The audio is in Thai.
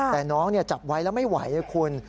แต่น้องจับไว้แล้วไม่ไหวนะคุณ